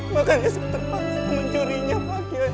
makanya saya terpaksa mencurinya pak kiai